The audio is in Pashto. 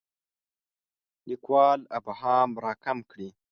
لیکوال ابهام راکم کړي.